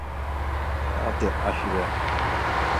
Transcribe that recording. Saat̆i aşi ren.